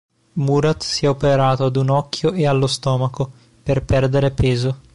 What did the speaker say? Murat si è operato ad un occhio e allo stomaco, per perdere peso.